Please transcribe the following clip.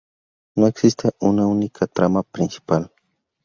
No existe una única trama principal.